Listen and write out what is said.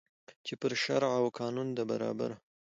چي پر شرع او قانون ده برابره